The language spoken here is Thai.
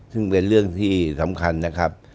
ซึ่งเป็นเรื่องที่สำคัญนะครับ